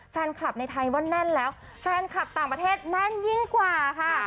แฟนคลับในไทยว่าแน่นแล้วแฟนคลับต่างประเทศแน่นยิ่งกว่าค่ะ